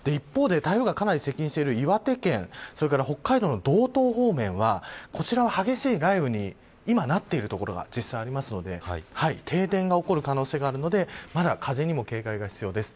一方で、台風がかなり接近している岩手県それから北海道の道東方面はこちらは激しい雷雨に今なっている所、実際ありますので停電が起こる可能性があるのでまだ風にも警戒が必要です。